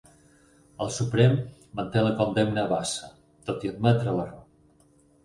El Suprem manté la condemna a Bassa tot i admetre l'error